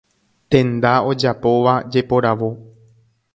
Tenda ojapóva jeporavo.